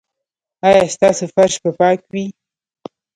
ایا ستاسو فرش به پاک وي؟